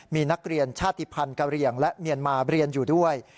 มีนักเรียนชาติภัณฑ์กะเหลี่ยงและเมียนมาเรียนอยู่ด้วย